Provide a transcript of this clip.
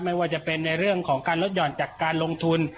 ไม่ว่าจะเป็นในเรื่องของการลดหย่อนจากการลงทุน